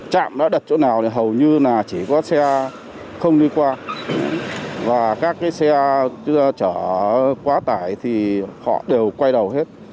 trạm đã đặt chỗ nào thì hầu như là chỉ có xe không đi qua và các cái xe chở quá tải thì họ đều quay đầu hết